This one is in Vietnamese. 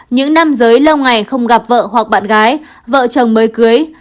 những nam giới lâu ngày không gặp vợ hoặc bạn gái vợ chồng mới cưới